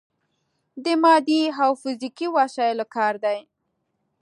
د مادي او فزیکي وسايلو کار دی.